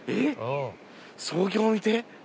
創業見て。